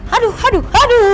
aduh aduh aduh